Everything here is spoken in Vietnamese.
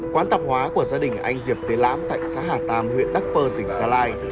quán tạp hóa của gia đình anh diệp tế lãm tại xã hà tàm huyện đắc pơ tỉnh gia lai